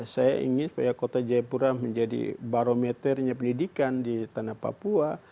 saya ingin supaya kota jayapura menjadi barometernya pendidikan di tanah papua